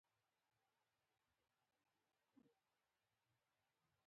د روغتون ډاکټر وویل: ډېر پاک دی، افرین.